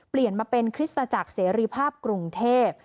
เปลี่ยนมาเป็นคริสตจักรเสรีภาพกรุงเทพ